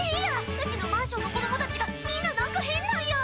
うちのマンションの子どもたちがみんななんか変なんや！